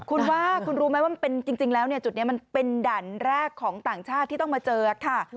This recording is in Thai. คุณว่าคุณรู้ไหมว่าจริงแล้วจุดนี้มันเป็นด่านแรกของต่างชาติที่ต้องมาเจอค่ะ